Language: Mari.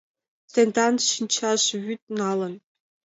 Тендан шинчаш вӱд налын.